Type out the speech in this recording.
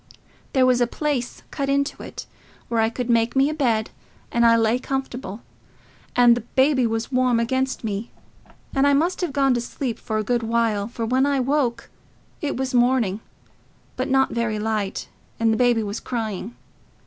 There was a place cut into it, where I could make me a bed, and I lay comfortable, and the baby was warm against me; and I must have gone to sleep for a good while, for when I woke it was morning, but not very light, and the baby was crying.